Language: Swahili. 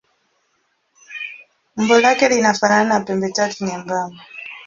Umbo lake linafanana na pembetatu nyembamba.